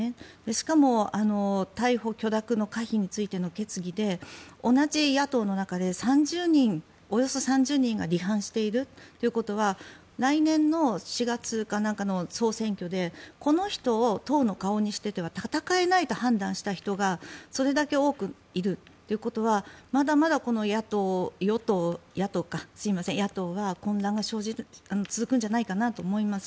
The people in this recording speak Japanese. しかも、逮捕許諾の可否についての決議で同じ野党の中で、およそ３０人が離反しているということは来年の４月か何かの総選挙でこの人を党の顔にしていては戦えないと判断した人がそれだけ多くいるということはまだまだ、この野党は混乱が続くんじゃないかなと思います。